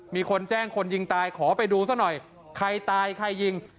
มีคนแจ้งคนยิงตายขอไปดูซะหน่อยใครตายใครยิง